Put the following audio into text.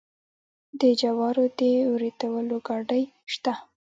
د جوارو د وریتولو ګاډۍ شته.